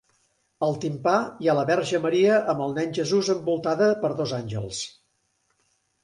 Al timpà hi ha la Verge Maria amb el Nen Jesús envoltada per dos àngels.